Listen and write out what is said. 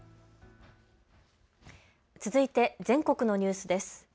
続いて全国のニュースです。